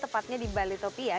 tepatnya di balitopia